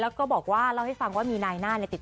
ปื้นมาแล้วบ้านเขาเป็นบ้านแข็งต่อง